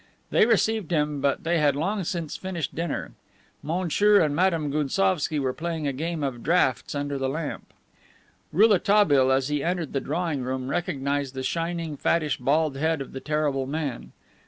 They received him, but they had long since finished dinner. Monsieur and Madame Gounsovski were playing a game of draughts under the lamp. Rouletabille as he entered the drawing room recognized the shining, fattish bald head of the terrible man.